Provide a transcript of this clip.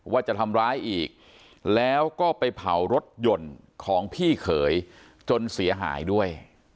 ว่าจะทำร้ายอีกแล้วก็ไปเผารถยนต์ของพี่เขยจนเสียหายด้วย